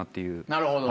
なるほど。